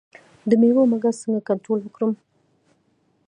د میوو مګس څنګه کنټرول کړم؟